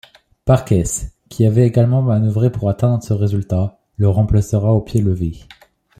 Parkes, qui avait également manœuvré pour atteindre ce résultat, le remplacera au pied levé.